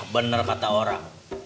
bener kata orang